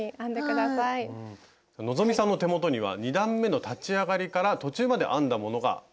希さんの手元には２段めの立ち上がりから途中まで編んだものがあります。